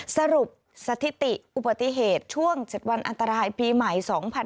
สรุปสถิติอุบัติเหตุช่วง๗วันอันตรายปีใหม่๒๕๖๒